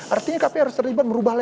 artinya kpi harus terlibat merubah lernak